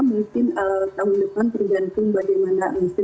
mungkin tahun depan tergantung bagaimana listrik